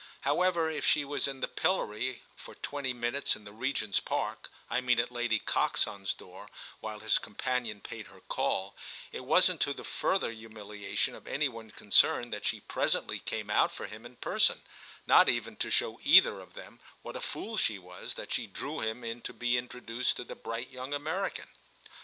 However, if he was in the pillory for twenty minutes in the Regent's Park—I mean at Lady Coxon's door while his companion paid her call—it wasn't to the further humiliation of any one concerned that she presently came out for him in person, not even to show either of them what a fool she was that she drew him in to be introduced to the bright young American.